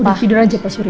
udah tidur aja pak surya